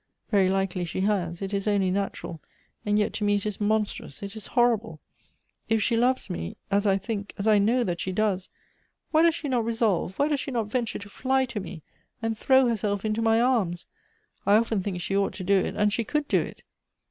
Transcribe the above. Very likely she has. It is only natural; and yei to me it is monstrous, it is horrible. If she loves me — as I think, as I know that she does — why does she no resolve, why does she not venture to fly to me, and throw herself into ray arras ? I often think she ought to do it and she could do it.